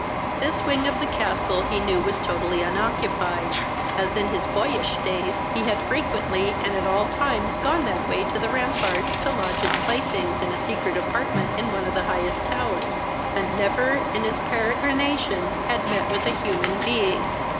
This wind of the castle he knew was totally unoccupied, as in his boyish days he had frequently, and at all times gone that way to the ramparts to lodge his playthings in a secret apartment in one of the highest towers, and never in his peregrination had met with a human being.